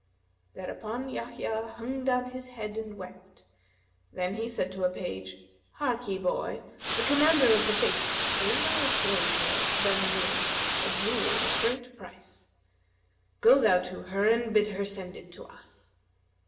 Thereupon Yahya hung down his head and wept; then he said to a page, 'Harkye, boy, the Commander of the Faithful gave our slave girl Danбnнr a jewel of great price: go thou to her and bid her send it to us.'